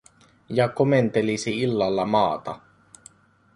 Ja komentelisi illalla maata.